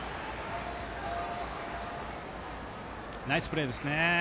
ナイスプレーですね。